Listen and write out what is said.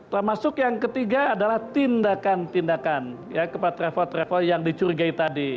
termasuk yang ketiga adalah tindakan tindakan kepada travel travel yang dicurigai tadi